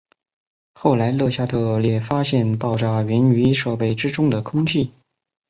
后来勒夏特列发现爆炸缘于设备之中的空气。